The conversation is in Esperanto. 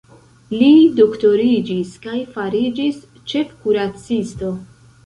Li doktoriĝis kaj fariĝis ĉefkuracisto.